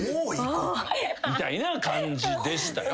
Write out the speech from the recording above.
みたいな感じでしたよ。